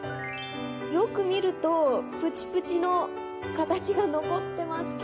よく見るとプチプチの形が残ってますけど。